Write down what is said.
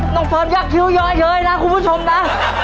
น้องเฟิร์สอยากใหี้วเยอะเย้ยน้องคุณผู้ชมนะ